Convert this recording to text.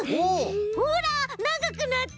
ほらながくなった！